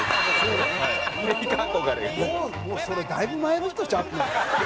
それだいぶ前の人ちゃうの？